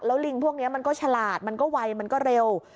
ลิงพวกนี้มันก็ฉลาดมันก็ไวมันก็เร็ว